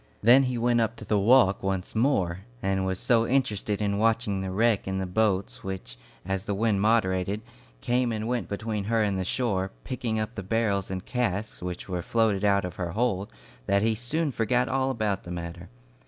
Then he went up to the walk once more, and was so interested in watching the wreck and the boats, which, as the wind moderated, came and went between her and the shore, picking up the barrels and casks which were floated out of her hold, that he soon forgot all about the matter.